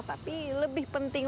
tapi lebih pentinglah